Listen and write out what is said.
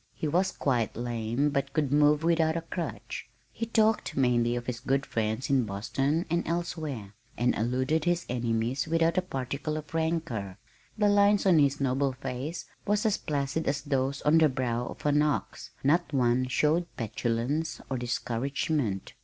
He was quite lame but could move without a crutch. He talked mainly of his good friends in Boston and elsewhere, and alluded to his enemies without a particle of rancor. The lines on his noble face were as placid as those on the brow of an ox not one showed petulance or discouragement.